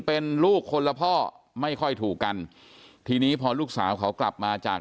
เป็นลูกคนละพ่อไม่ค่อยถูกกันทีนี้พอลูกสาวเขากลับมาจาก